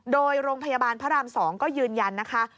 โดยโรงพยาบาลพระราม๒ก็ยืนยันนะคะ